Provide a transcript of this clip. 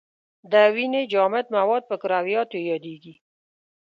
د وینې جامد مواد په کرویاتو یادیږي.